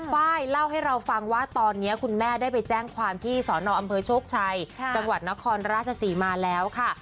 ไฟล์เล่าให้เราฟังว่าตอนนี้คุณแม่ได้ไปแจ้งความที่สอนออำเภอโชคชัยจังหวัดนครราชศรีมาแล้วค่ะ